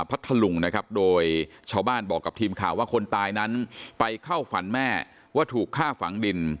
พัทธลุงนะครับโดยชาวบ้านบอกกับทีมข่าวว่าคนตายนั้นไปเข้าฝันแม่ว่าถูกฆ่าฝังดิน